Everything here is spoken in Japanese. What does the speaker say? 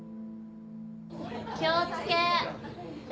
気を付け礼。